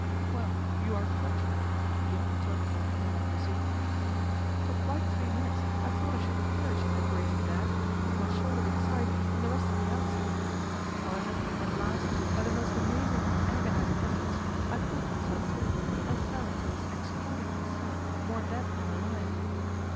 'Well, you are fortunate,' the imperturbable Nella resumed. 'For quite three minutes I thought I should perish in that grating, Dad, with my shoulder inside and the rest of me outside. However, at last, by the most amazing and agonizing efforts, I pulled myself through and fell into this extraordinary cellar more dead than alive.